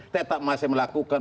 tetap masih melakukan